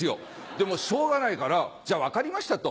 でもうしょうがないから「じゃあ分かりました」と。